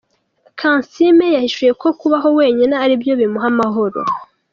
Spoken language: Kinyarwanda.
Kansiime yahishuye ko kubaho wenyine ari byo bimuha amahoro.